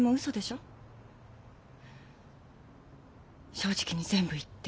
正直に全部言って。